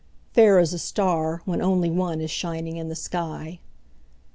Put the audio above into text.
–Fair as a star, when only one Is shining in the sky.